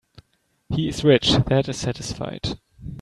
He is rich that is satisfied.